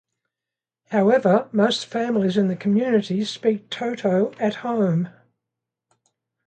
However, most families in the community speak Toto at home.